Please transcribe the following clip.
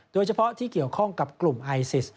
โดยเฉพาะที่เกี่ยวข้องกับกลุ่มไอซิส